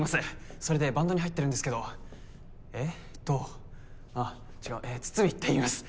それでバンドに入ってるんですけどえっとあ違う筒見って言います。